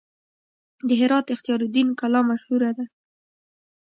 د هرات اختیار الدین کلا مشهوره ده